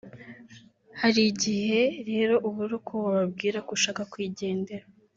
Hari igihe rero ubura uko wababwira ko ushaka kwigendera